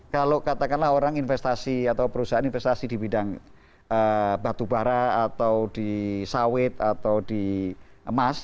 kalau katakanlah orang investasi atau perusahaan investasi di bidang batubara atau di sawit atau di emas